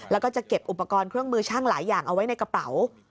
แล้วก็จะเก็บอุปกรณ์เครื่องมือช่างหลายอย่างเอาไว้ในกระเป๋า